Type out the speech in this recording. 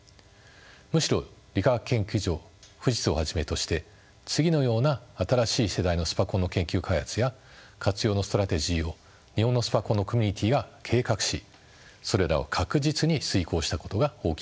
むしろ理化学研究所富士通をはじめとして次のような新しい世代のスパコンの研究開発や活用のストラテジーを日本のスパコンのコミュニティーが計画しそれらを確実に遂行したことが大きいと思います。